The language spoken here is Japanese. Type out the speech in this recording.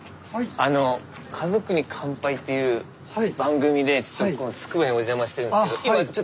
あの「家族に乾杯」っていう番組でちょっとつくばへお邪魔してるんですけどあっ